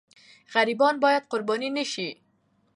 غریبان باید قرباني نه سي.